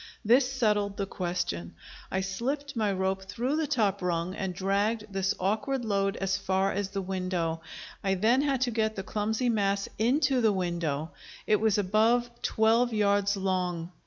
This settled the question. I slipped my rope through the top rung, and dragged this awkward load as far as the window. I then had to get the clumsy mass into the window; it was above twelve yards long.